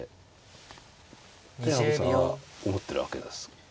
って羽生さんは思ってるわけです。